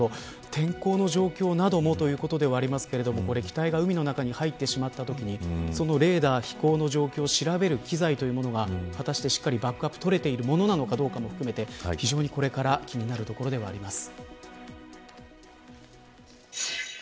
天候の状況などもということではありますが機体が海の中に入ってしまったときにそのレーダー飛行の状況を調べる機材がしっかりバックアップとれているものなのかどうかも含めて非常に、これから気になるところではあります。